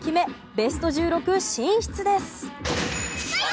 ベスト１６進出です。